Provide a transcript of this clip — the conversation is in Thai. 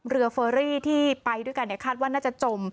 เฟอรี่ที่ไปด้วยกันคาดว่าน่าจะจม